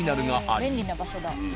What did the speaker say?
便利な場所だ。